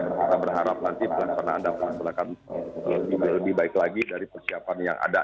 kita berharap nanti pelaksanaan dapat dilaksanakan juga lebih baik lagi dari persiapan yang ada